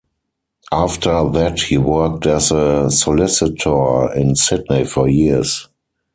After that he worked as a solicitor in Sydney for years.